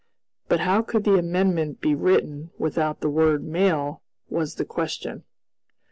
But how could the amendment be written without the word "male," was the question.